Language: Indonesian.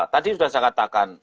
tadi sudah saya katakan